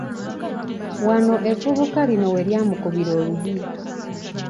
Wano evvubuka lino we lyamukubira oluyi.